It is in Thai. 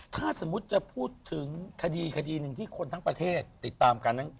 ถ้าสมมุติจะพูดถึงคดีคดีหนึ่งที่คนทั้งประเทศติดตามกัน